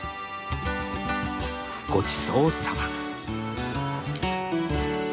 「ごちそうさま」。